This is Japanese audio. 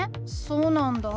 そうなんだ。